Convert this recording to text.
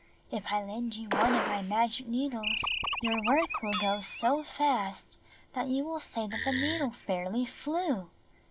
If I lend you one of my magic needles, your work will go so fast that you will say that the needle fairly flew.